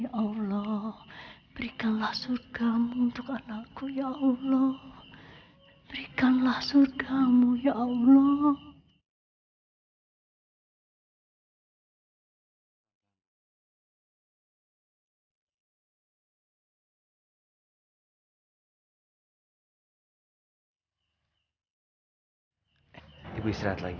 ya allah berikanlah surga mu untuk anakku ya allah berikanlah surga mu ya allah ya